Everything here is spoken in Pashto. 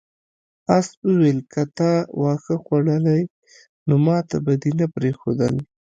آس وویل که تا واښه خوړلی نو ماته به دې نه پریښودل.